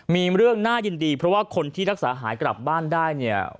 มีเรื่องน่ายินดีเพราะว่าคนที่รักษาหายกลับบ้านได้เนี่ย